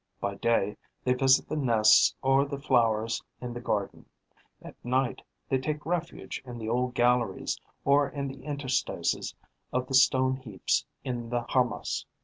By day, they visit the nests or the flowers in the garden; at night, they take refuge in the old galleries or in the interstices of the stone heaps in the harmas.